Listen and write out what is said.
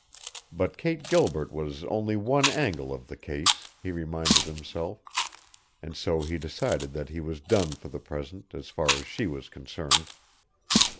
But Kate Gilbert was only one angle of the case, he reminded himself, and so he decided that he was done for the present as far as she was concerned.